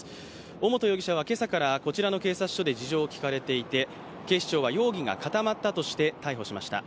尾本容疑者は今朝からこちらの警察署で事情を聴かれていて警視庁は容疑が固まったとして、逮捕しました。